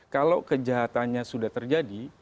kalau kejahatannya sudah terjadi